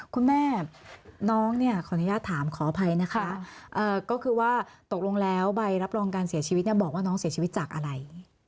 คุณแม่ขออนุญาตถามขออภัยนะค่ะตกลงไว้รับรองการเสียชีวิตน้องเสียชีวิตจากอะไร